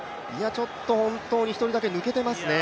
本当に１人だけ抜けてますね。